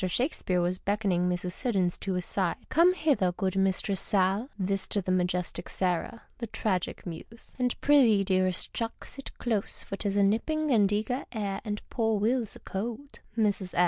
Shakespeare was beckoning Mrs. Siddons to his side. " Come hither, good mistress Sal " (this to the majestic Sarah, the Tragic Muse !)," and prythcc, dearest clnick, sit close, for 'tis a nipping and an eager air, and poor Will's a cold." Mus.